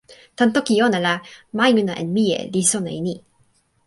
tan toki ona la, majuna en mije li sona e ni: